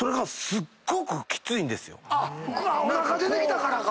あっおなか出てきたからか。